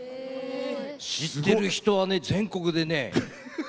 知ってるはね、全国でね。